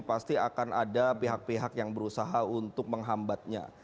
pasti akan ada pihak pihak yang berusaha untuk menghambatnya